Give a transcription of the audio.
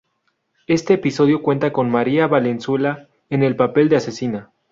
Este episodio cuenta con María Valenzuela, en el papel de asesina.